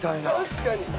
確かに。